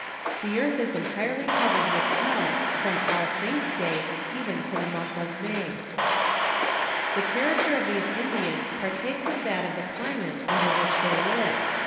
The earth is entirely covered with snow from All Saints' day even to the month of May. "The character of these Indians partakes of that of the climate under which they live.